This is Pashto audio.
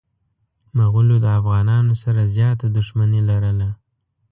مغولو د افغانانو سره زياته دښمني لرله.